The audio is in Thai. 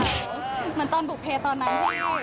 เหมือนตอนบุกเพลย์ตอนนั้น